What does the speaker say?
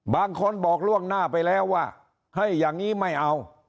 บางคนบอกล่วงหน้าไปแล้วว่าเฮ้ยอย่างนี้ไม่เอา